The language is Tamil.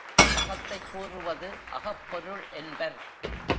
அகத்தைக் கூறுவது அகப் பொருள் என்பர்.